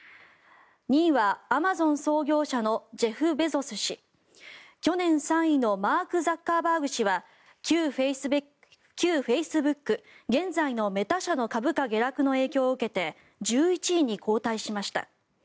２位はアマゾン創業者のジェフ・ベゾス氏去年３位のマーク・ザッカーバーグ氏は旧フェイスブック現在のメタ社の株価下落の影響を受けて１１位に後退しました。